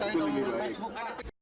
itu lebih baik